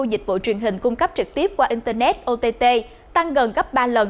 dịch vụ truyền hình cung cấp trực tiếp qua internet ott tăng gần gấp ba lần